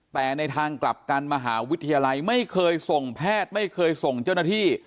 แต่ในทางกลับกันมหาวิทยาลัยไม่เคยส่งแพทย์ไม่เคยส่งเจ้าหน้าที่